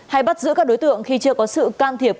hay bắt giữ các đối tượng khi chưa có sự can thiệp